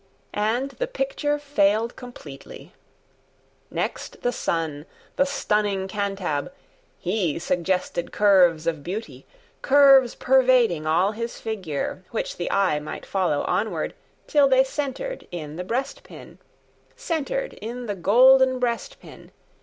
And the picture failed completely. [Picture: Next the Son, the Stunning Cantab] Next the Son, the Stunning Cantab: He suggested curves of beauty, Curves pervading all his figure, Which the eye might follow onward, Till they centered in the breast pin, Centered in the golden breast pin.